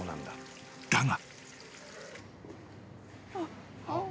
［だが］